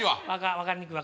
分かりにくい。